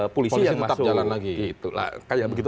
polisi yang tetap jalan lagi